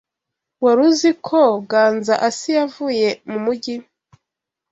Wari uzi ko Ganzaasi yavuye mu mujyi?